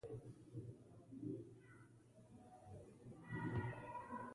د انسانانو ترمنځ د حقوقو مساوات د جګړو لامل سوی دی